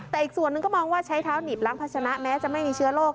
แต่อีกส่วนหนึ่งก็มองว่าใช้เท้าหนีบล้างพัชนะแม้จะไม่มีเชื้อโรค